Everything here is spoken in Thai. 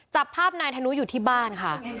จับภาพนายธนุอยู่ที่บ้านค่ะ